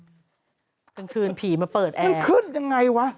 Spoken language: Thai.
ประกอบยังคืนผีมาเปิดแอร์นะมันขึ้นยังไงวะ